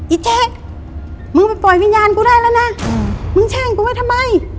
เจ๊มึงไปปล่อยวิญญาณกูได้แล้วนะมึงแช่งกูไว้ทำไม